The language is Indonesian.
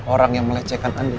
orang yang melecehkan andin